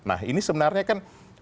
nah ini sebenarnya kan